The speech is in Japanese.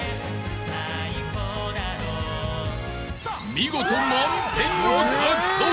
［見事満点を獲得］